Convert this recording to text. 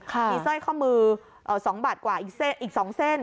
มีสร้อยข้อมือ๒บาทกว่าอีก๒เส้น